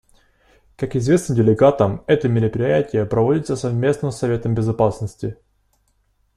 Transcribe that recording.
Как известно делегатам, это мероприятие проводится совместно с Советом Безопасности.